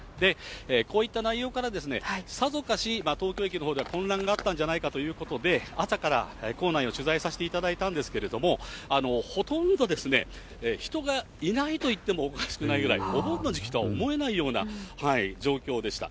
こういった内容からさぞかし東京駅のほうでは混乱があったんじゃないかということで、朝から構内を取材させていただいたんですけれども、ほとんどですね、人がいないといってもおかしくないぐらい、お盆の時期とは思えないような状況でした。